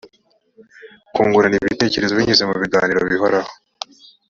kungurana ibitekerezo binyuze mu biganiro bihoraho